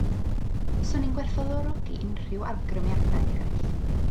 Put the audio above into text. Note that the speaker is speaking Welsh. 'Swn i'n gwerthfawrogi unrhyw awgrymiadau eraill